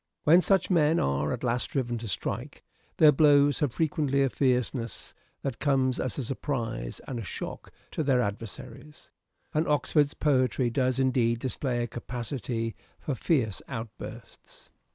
When such men are at last driven to strike, their blows have frequently a fierceness that comes as a surprise and a shock to their adversaries : and Oxford's poetry does indeed display a capacity for fierce outbursts.